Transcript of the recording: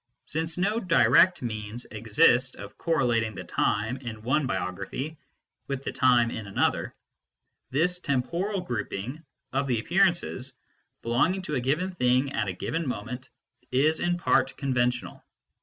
Since no direct means exist of correlating the time in one biography with the time in another, this temporal grouping of the appearances belonging to a given thing at a given moment is in part conventional.